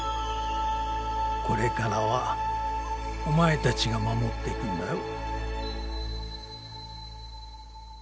これからはお前たちが守っていくんだよ。